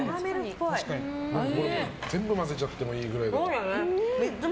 全部混ぜちゃってもいいくらい。